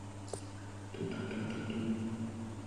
工业上各种氯代乙酸就是通过这个反应制备的。